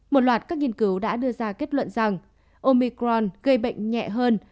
một loạt các nghiên cứu đã đưa ra kết luận rằng omicron gây bệnh nhẹ hơn